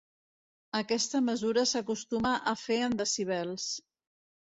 Aquesta mesura s'acostuma a fer en decibels.